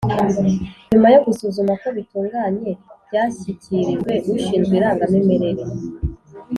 Nyuma yo gusuzuma ko bitunganye byashyikirijwe ushinzwe irangamimerere